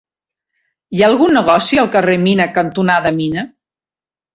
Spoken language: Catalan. Hi ha algun negoci al carrer Mina cantonada Mina?